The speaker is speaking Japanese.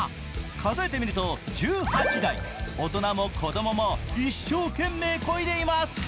数えてみると１８台、大人も子供も一生懸命、漕いでいます。